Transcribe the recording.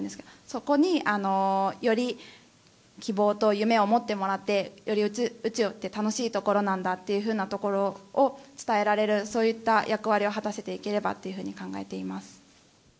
そこにより希望と夢を持ってもらって、より宇宙って楽しいところなんだということを伝えられる、そういった役割を果たしていければというふうに考えています。